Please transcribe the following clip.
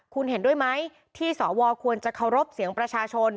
คุณเห็นด้วยไหมที่สวควรจะเคารพเสียงประชาชน